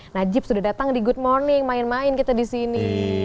najib sudah datang di good morning main main kita di sini